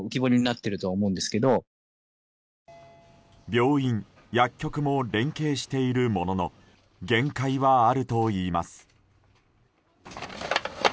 病院、薬局も連携しているものの限界はあるといいます。